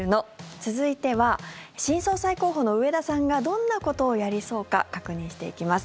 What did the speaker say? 続いては新総裁候補の植田さんがどんなことをやりそうか確認していきます。